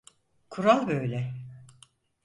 Kural böyle.